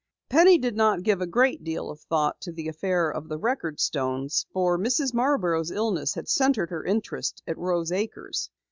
Penny did not give a great deal of thought to the affair of the record stones for Mrs. Marborough's illness had centered her interest at Rose Acres.